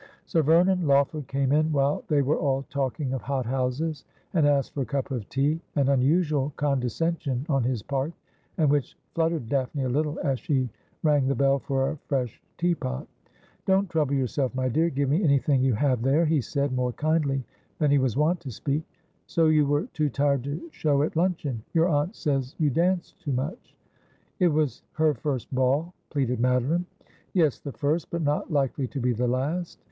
Sir Vernon Lawford came in while they were all talking of hot houses, and asked for a cup of tea, an unusual condescen sion on his part, and which fluttered Daphne a little as she rang the bell for a fresh teapot. 'Don't trouble yourself, my dear. Give me anything you have there,' he said, more kindly than he was wont to speak. ' So you were too tired to show at luncheon. Your aunt says you danced too much.' ' It was her first ball,' pleaded Madoline. ' Yes ; the first, but not likely to be the last.